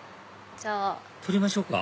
撮りましょうか？